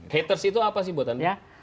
haters itu apa sih buat anda